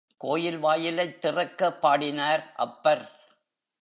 கோயில் வாயிலைத் திறக்க பாடினார் அப்பர்.